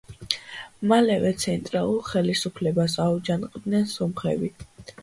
მალევე ცენტრალურ ხელისუფლებას აუჯანყდნენ სომხები.